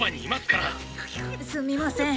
すみません。